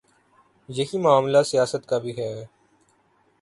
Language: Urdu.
یہی معاملہ سیاست کا بھی ہے۔